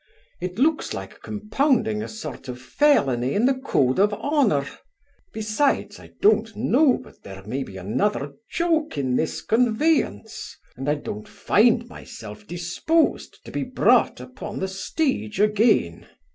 It looks like compounding a sort of felony in the code of honour. Besides, I don't know but there may be another joke in this conveyance; and I don't find myself disposed to be brought upon the stage again.